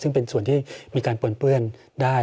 ซึ่งเป็นส่วนที่มีการปนเปื้อนได้